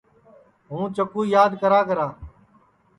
ہُوں چکُو یاد کراکرا